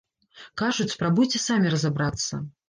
Кажуць, спрабуйце самі разабрацца.